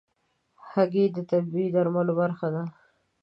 هګۍ د طبيعي درملو برخه ده.